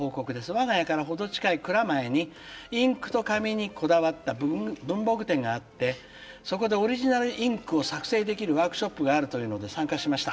我が家から程近い蔵前にインクと紙にこだわった文房具店があってそこでオリジナルインクを作成できるワークショップがあるというので参加しました」。